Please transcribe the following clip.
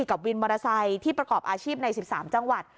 กับวินมอเตอร์ไซค์ที่ประกอบอาชีพใน๑๓จังหวัด